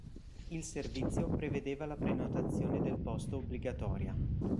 Il servizio prevedeva la prenotazione del posto obbligatoria.